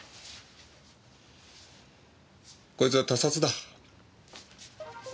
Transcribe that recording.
こいつは他殺だ。